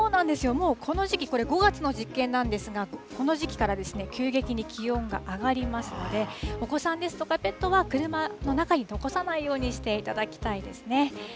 もうこの時期、これ５月の実験なんですが、この時期から急激に気温が上がりますので、お子さんですとかペットは車の中に残さないようにしていただきたいですね。